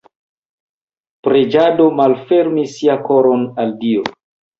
Preĝado: malfermi sia koron al Dio.